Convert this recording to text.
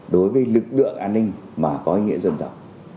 đối với lực lượng an ninh mà có ý nghĩa dân tộc